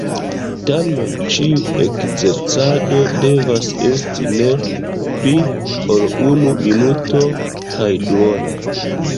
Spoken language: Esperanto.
Tamen ĉiu ekzercado devas esti ne pli ol unu minuto kaj duono.